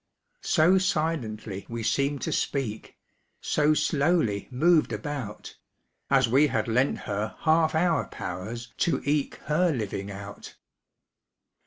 So silently we seemed to speak, So slowly moved about, As we had lent her half our powers To eke her living out.